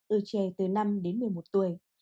ở trẻ từ năm đến một mươi một tuổi